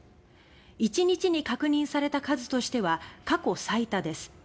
１日に確認された数としては過去最多です。